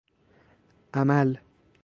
اَمل